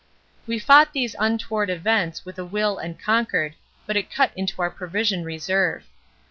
We fought these untoward events with a will and conquered, but it cut into our provision reserve.